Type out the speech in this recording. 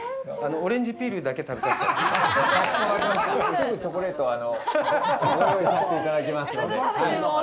すぐチョコレートをご用意させていただきますので。